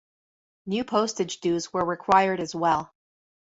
New postage dues were required as well.